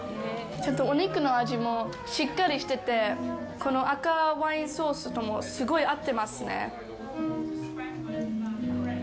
ちゃんとお肉の味もしっかりしててこの赤ワインソースともすごい合ってますね。